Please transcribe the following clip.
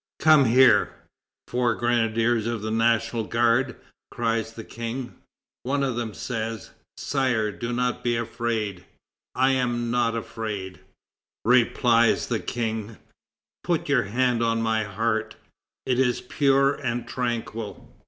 "Come here! four grenadiers of the National Guard!" cries the King. One of them says, "Sire, do not be afraid." "I am not afraid," replies the King; "put your hand on my heart; it is pure and tranquil."